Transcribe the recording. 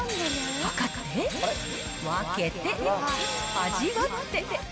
量って、分けて、味わって。